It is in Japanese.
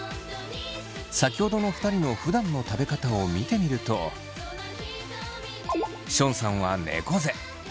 先ほどの２人のふだんの食べ方を見てみるとションさんは猫背。